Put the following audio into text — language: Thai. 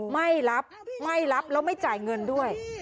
ไม่รับแล้วไม่จ่ายเงินด้วย